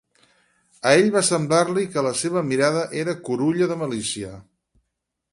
A ell va semblar-li que la seva mirada era curulla de malícia.